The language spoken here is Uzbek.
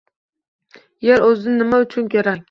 Yer o‘zi nima uchun kerak?